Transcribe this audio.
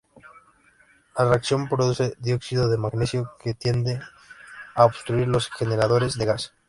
La reacción produce dióxido de manganeso, que tiende a obstruir los generadores de gas.